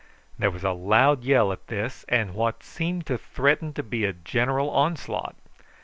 There was a loud yell at this, and what seemed to threaten to be a general onslaught.